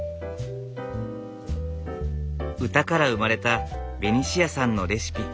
歌から生まれたベニシアさんのレシピ。